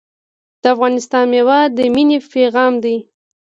د افغانستان میوه د مینې پیغام دی.